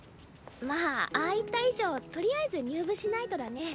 まあああ言った以上とりあえず入部しないとだね